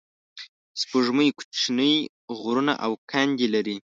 سپوږمۍ کوچنۍ غرونه او کندې لري